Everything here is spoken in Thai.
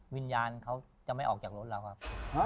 วิญญาณเขาจะไม่ออกจากรถเราครับ